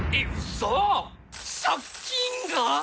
嘘借金が？